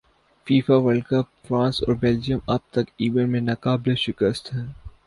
FIFA world cup France اور Belgium اب تک ایونٹ میں ناقابل شکست ہیں